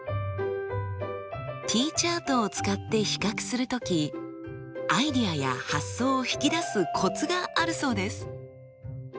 Ｔチャートを使って比較する時アイデアや発想を引き出すコツがあるそうです。